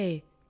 tôi đã tìm ra